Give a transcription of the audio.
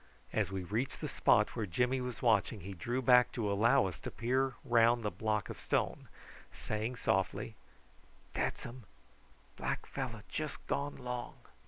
As we reached the spot where Jimmy was watching, he drew back to allow us to peer round the block of stone, saying softly: "Dat's um. Black fellow just gone long."